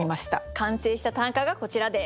完成した短歌がこちらです。